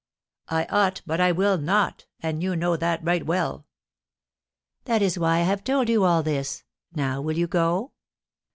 "I ought, but I will not; and you know that right well." "That is why I have told you all this. Now, will you go?"